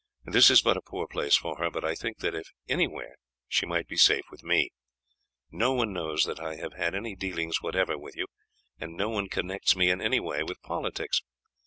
This is but a poor place for her, but I think that if anywhere she might be safe with me. No one knows that I have had any dealings whatever with you, and no one connects me in any way with politics.